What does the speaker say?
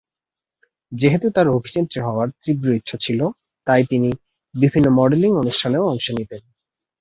যেহেতু তার অভিনেত্রী হওয়ার তীব্র ইচ্ছা ছিল, তাই তিনি বিভিন্ন মডেলিং অনুষ্ঠানে অংশ নিতেন।